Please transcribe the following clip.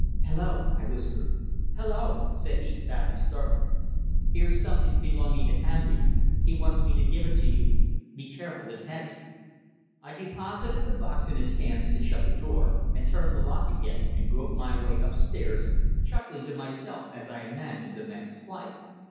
"Hello!" I whispered. "Hello!" said he, badly startled. "Here's something belonging to Hamby. He wants me to give it to you. Be careful, it's heavy." I deposited the box in his hands, and shut the door, and turned the lock again, and groped my way upstairs, chuckling to myself as I imagined the man's plight.